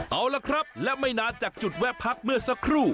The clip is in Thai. เอาละครับและไม่นานจากจุดแวะพักเมื่อสักครู่